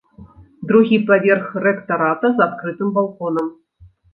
Другі паверх рэктарата з адкрытым балконам.